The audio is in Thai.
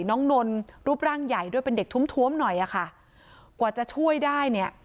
นนรูปร่างใหญ่ด้วยเป็นเด็กทุ่มท้วมหน่อยอะค่ะกว่าจะช่วยได้เนี่ย